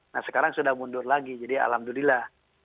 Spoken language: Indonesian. nah sekarang sudah mundur lagi jadi alhamdulillah